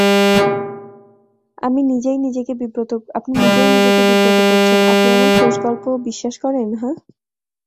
আপনি নিজেই নিজেকে বিব্রত করছেন, আপনি এমন খোশগল্প বিশ্বাস করেন, হাহ?